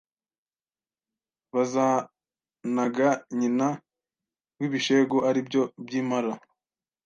bazanaga nyina w’ibishegu aribyo by’impara